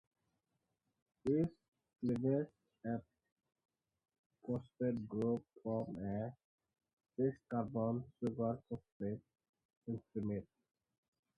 Each cleaves a phosphate group from a six-carbon sugar phosphate intermediate.